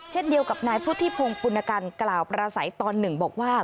เช่นเดียวกับนายพุทธิพงศ์ปุณกันกล่าวประสัยตอนหนึ่งบอกว่า